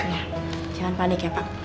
ya jangan panik ya pak